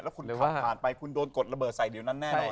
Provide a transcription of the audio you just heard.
คุณขับผ่านไปคุณโดนกดระเบิดใส่เดี๋ยวนั้นแน่นอน